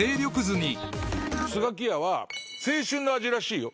スガキヤは青春の味らしいよ。